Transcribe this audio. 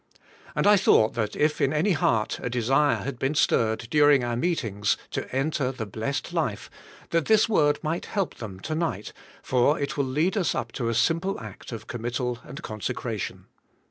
And I thoug ht that if in any heart a desire had been stirred, during our meetings, to enter the blessed life, that this word might help them, to night, for it will lead us up to a simple act of committal and consecration.